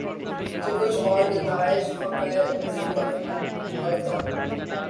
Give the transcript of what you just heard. تو کچھ اور نتائج فکر مرتب ہوں۔